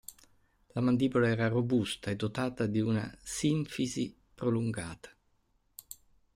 La mandibola era robusta e dotata di una sinfisi prolungata.